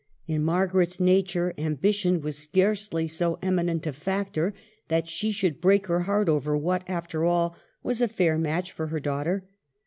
In Margaret's nature ambition was scarcely so emi nent a factor that she should break her heart over what, after all, was a fair match for her daugh ter.